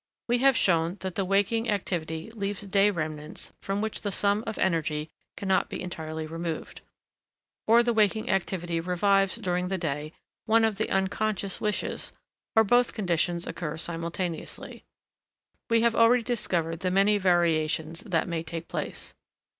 We have shown that the waking activity leaves day remnants from which the sum of energy cannot be entirely removed; or the waking activity revives during the day one of the unconscious wishes; or both conditions occur simultaneously; we have already discovered the many variations that may take place.